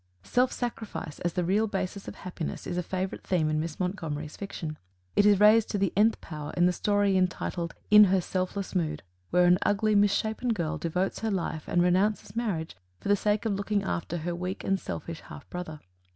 Self sacrifice, as the real basis of happiness, is a favorite theme in Miss Montgomery's fiction. It is raised to the nth power in the story entitled, "In Her Selfless Mood," where an ugly, misshapen girl devotes her life and renounces marriage for the sake of looking after her weak and selfish half brother.